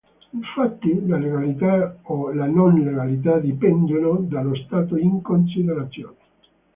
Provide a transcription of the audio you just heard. Infatti la legalità o la non legalità dipendono dallo stato in considerazione.